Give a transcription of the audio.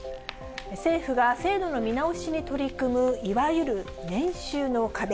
政府が制度の見直しに取り組む、いわゆる年収の壁。